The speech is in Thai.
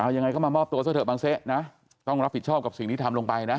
ยังไงก็มามอบตัวซะเถอบางเซ๊นะต้องรับผิดชอบกับสิ่งที่ทำลงไปนะ